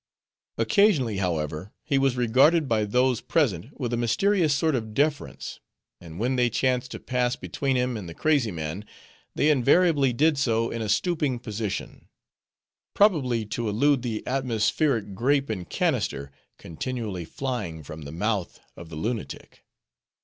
Occasionally, however, he was regarded by those present with a mysterious sort of deference; and when they chanced to pass between him and the crazy man, they invariably did so in a stooping position; probably to elude the atmospheric grape and cannister, continually flying from the mouth of the lunatic.